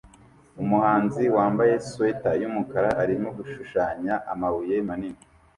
Umuhanzi wambaye swater yumukara arimo gushushanya amabuye manini